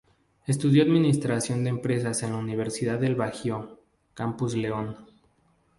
Estudió administración de empresas en la Universidad del Bajío, campus León.